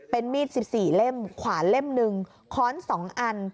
เป็นมีด๑๔เล่มขวานเล่ม๑ค้อน๒อัน